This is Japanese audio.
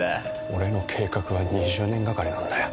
俺の計画は２０年がかりなんだよ。